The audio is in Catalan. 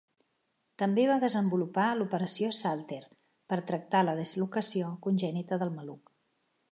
També va desenvolupar l'operació Salter per tractar la dislocació congènita del maluc.